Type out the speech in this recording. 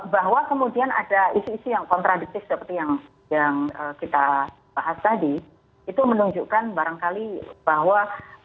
bahwa kemudian ada isu isu yang kontradiktif seperti yang kita bahas tadi itu menunjukkan barangkali bahwa